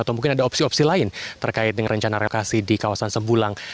atau mungkin ada opsi opsi lain terkait dengan rencana relokasi di kawasan sembulang